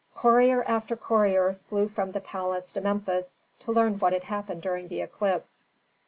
Courier after courier flew from the palace to Memphis to learn what had happened during the eclipse.